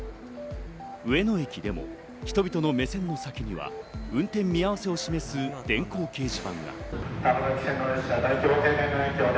上野駅でも人々の目線の先には運転見合わせを示す電光掲示板が。